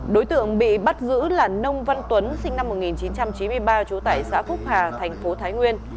đối tượng bị bắt giữ là nông văn tuấn sinh năm một nghìn chín trăm chín mươi ba trú tại xã phúc hà thành phố thái nguyên